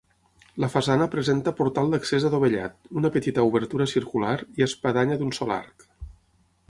La façana presenta portal d'accés adovellat, una petita obertura circular i espadanya d'un sol arc.